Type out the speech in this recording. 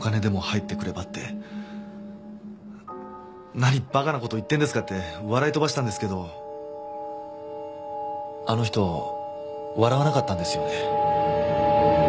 何バカなこと言ってんですかって笑い飛ばしたんですけどあの人笑わなかったんですよね。